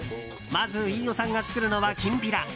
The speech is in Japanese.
まず飯尾さんが作るのはきんぴら。